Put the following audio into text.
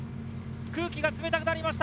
空気が冷たくなりました。